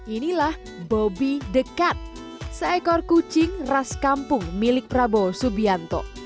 inilah bobby the cat seekor kucing ras kampung milik prabowo subianto